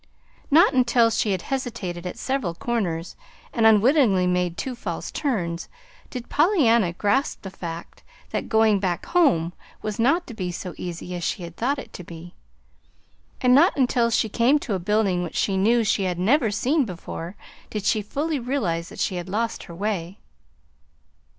Not until she had hesitated at several corners, and unwittingly made two false turns, did Pollyanna grasp the fact that "going back home" was not to be so easy as she had thought it to be. And not until she came to a building which she knew she had never seen before, did she fully realize that she had lost her way.